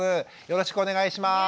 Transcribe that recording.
よろしくお願いします。